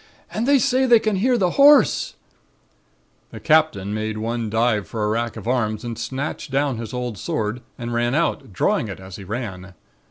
And they say they can hear the Horse ' "The Captain made one dive for a rack of arms and snatched down his old sword and ran out, drawing it as he ran.